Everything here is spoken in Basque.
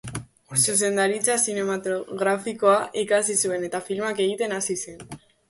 Zuzendaritza zinematografikoa ikasi zuen eta filmak egiten hasi zen.